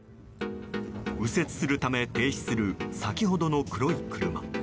右折するため停止する先ほどの黒い車。